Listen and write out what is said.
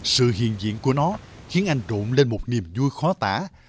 sự hiện diện của nó khiến anh trộn lên một niềm vui khó tả